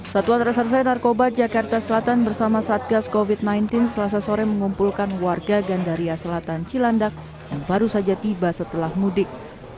satuan reserse narkoba jakarta selatan bersama satgas covid sembilan belas selasa sore mengumpulkan warga gandaria selatan cilandak yang baru saja tiba setelah mudik